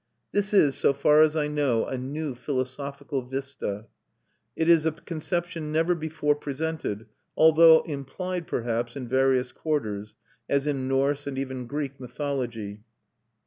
This is, so far as I know, a new philosophical vista; it is a conception never before presented, although implied, perhaps, in various quarters, as in Norse and even Greek mythology.